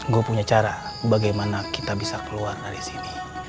gue punya cara bagaimana kita bisa keluar dari sini